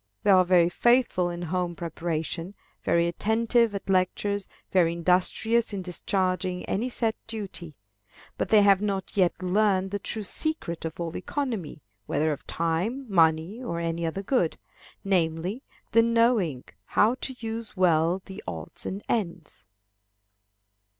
They are very faithful in home preparation; very attentive at lectures; very industrious in discharging any set duty. But they have not yet learned the true secret of all economy, whether of time, money, or any other good, namely, the knowing how to use well the odds and ends.